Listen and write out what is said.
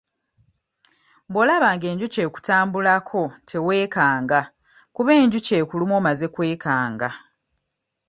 Bw'olaba ng'enjuki ekutambulako teweekanga kuba enjuki ekuluma omaze kwekanga.